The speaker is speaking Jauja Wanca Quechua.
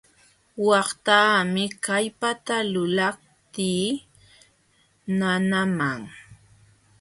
Waqtaami kallpata lulaptii nanaman.